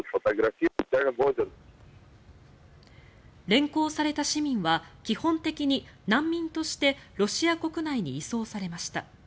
連行された市民は基本的に難民としてロシア国内に移送されました。